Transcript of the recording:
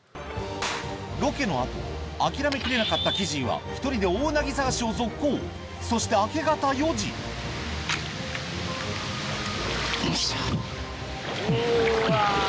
ロケの後諦めきれなかったｋｙｄｚｙは一人でオオウナギ探しを続行そして明け方４時うわ！